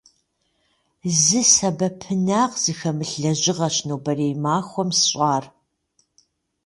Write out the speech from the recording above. Зы сэбэпынагъ зыхэмылъ лэжьыгъэщ нобэрей махуэм сщӏар.